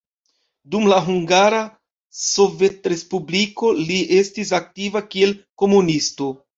Dum la Hungara Sovetrespubliko li estis aktiva kiel komunisto.